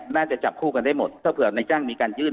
น่าจะจับคู่กันได้หมดถ้าเผื่อในจ้างมีการยื่น